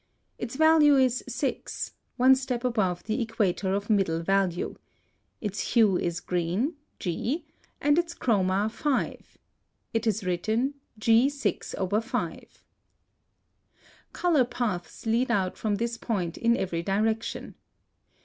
Its value is 6, one step above the equator of middle value. Its hue is green, G, and its chroma 5. It is written G 6/5. (157) Color paths lead out from this point in every direction.